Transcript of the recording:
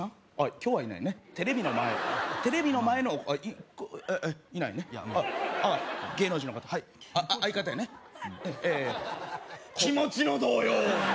今日はいないねテレビの前のテレビの前のお子えっいないね芸能人の方はい相方やねええ気持ちの動揺！